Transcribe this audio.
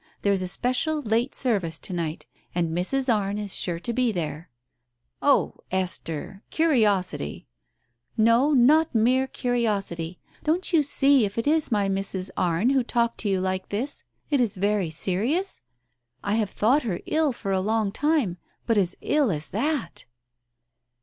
There is a special late service to night, and Mrs. Arne is sure to be there." Digitized by Google ii2 TALES OF THE UNEASY "Oh, Esther— curiosity !" "No, not mere curiosity. Don't you see if it is my Mrs. Arne who talked to you like this, it is very serious ? I have thought her ill for a long time; but as ill as that